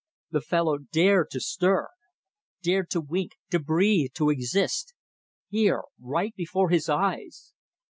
The fellow dared to stir! Dared to wink, to breathe, to exist; here, right before his eyes!